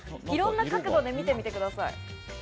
いろんな角度で見てみてください。